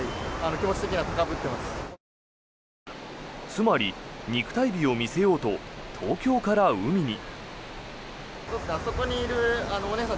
つまり肉体美を見せようと東京から海に。